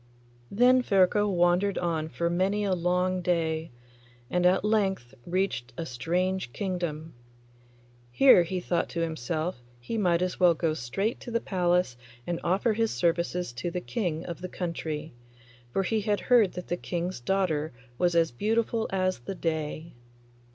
Then Ferko wandered on for many a long day, and at length reached a strange kingdom. Here, he thought to himself, he might as well go straight to the palace and offer his services to the King of the country, for he had heard that the King's daughter was as beautiful as the day.